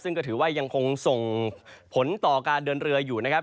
ซึ่งก็ถือว่ายังคงส่งผลต่อการเดินเรืออยู่นะครับ